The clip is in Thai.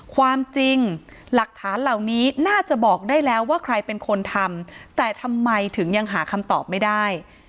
ความจริงหลักฐานเหล่านี้น่าจะบอกได้แล้วว่าใครเป็นคนทำแต่ทำไมถึงยังหาคำตอบไม่ได้